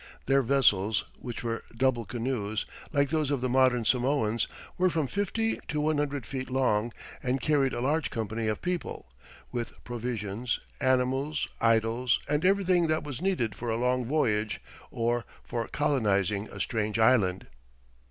Their vessels, which were double canoes, like those of the modern Samoans, were from fifty to one hundred feet long and carried a large company of people, with provisions, animals, idols, and everything that was needed for a long voyage or for colonizing a strange island.